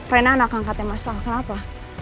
pengennya anak angkatnya masalah kenapa